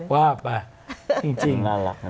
ว่าเปิดจริง